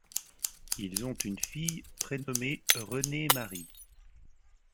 Ils ont une fille prénomée Renée Marie.